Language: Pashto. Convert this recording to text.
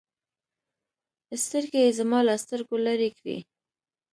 سترگې يې زما له سترگو لرې کړې.